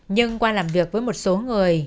nhưng qua làm việc với một số người